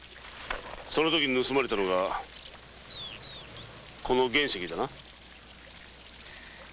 その時盗まれたのがこの原石だな？